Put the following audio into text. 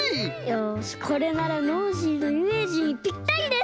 よしこれならノージーのイメージにぴったりです！